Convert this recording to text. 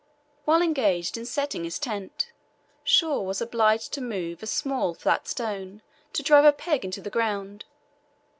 While engaged in setting his tent, Shaw was obliged to move a small flat stone, to drive a peg into the ground.